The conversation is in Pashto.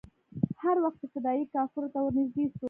هر وخت چې فدايي کفارو ته ورنژدې سو.